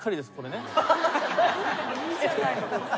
いいじゃない別に。